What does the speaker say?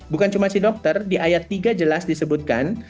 bukan cuma si dokter di ayat tiga jelas disebutkan